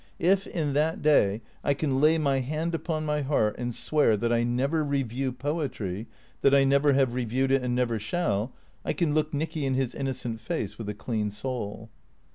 If, in that day, I can lay my hand upon my heart and swear that I never review poetry, that I never have reviewed it and never shall, I can look Nicky in his innocent face with a clean soul.